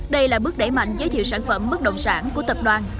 đây là bước đẩy mạnh giới thiệu sản phẩm bất động sản của tập đoàn